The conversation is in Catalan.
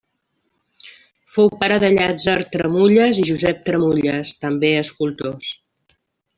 Fou pare de Llàtzer Tramulles i Josep Tramulles, també escultors.